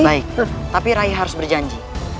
baik tapi rai harus berjanji